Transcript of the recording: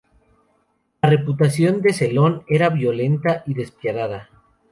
La reputación de Cleón era violenta y despiadada.